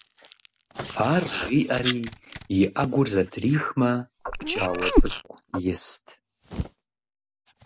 Ар жиӀэри, и Ӏэгур зэтрихмэ, пкӀауэ цӀыкӀу ист.